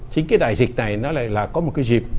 chính cái đại dịch này nó lại là có một cái dịp